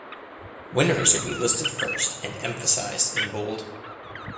Winners will be listed first and emphasized in bold.